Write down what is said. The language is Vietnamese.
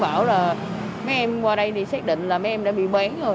bảo là mấy em qua đây thì xác định là mấy em đã bị bán rồi